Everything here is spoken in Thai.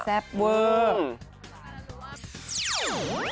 แซ่บเวิร์ด